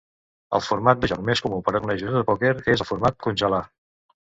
El format de joc més comú per a tornejos de pòquer és el format "congelar".